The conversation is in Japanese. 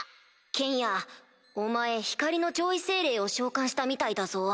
ケンヤお前光の上位精霊を召喚したみたいだぞ。